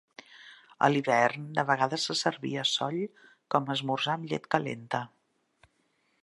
A l'hivern de vegades se servia "soll" com a esmorzar amb llet calenta.